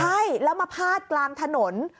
ใช่แล้วมาพาดกลางถนน